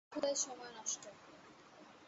হুদাই সময় নষ্ট।